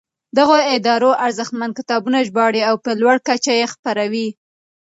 دغو ادارو ارزښتمن کتابونه ژباړي او په لوړه کچه یې خپروي.